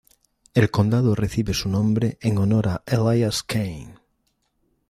El condado recibe su nombre en honor a Elias Kane.